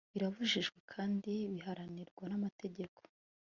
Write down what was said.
birabujijwe kandi bihanirwa n'amategeko